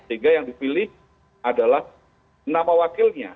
sehingga yang dipilih adalah nama wakilnya